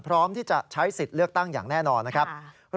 พร้อมที่จะใช้สิทธิ์เลือกตั้งอย่างแน่นอนนะครับ